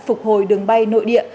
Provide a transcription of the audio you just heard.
phục hồi đường bay nội địa